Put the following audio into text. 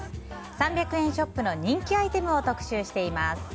３００円ショップの人気アイテムを特集しています。